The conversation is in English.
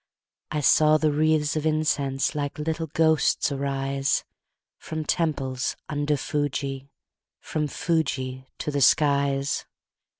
I saw the wreathes of incense Like little ghosts arise, From temples under Fuji, From Fuji to the skies.